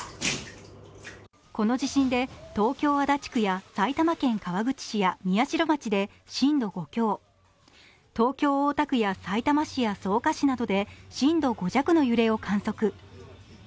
この地震で東京・足立区や埼玉県川口市や宮代市で震度５強、東京・大田区やさいたま市や草加市などで震度５弱の揺れを観測。